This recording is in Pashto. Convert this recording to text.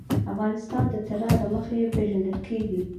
افغانستان د طلا له مخې پېژندل کېږي.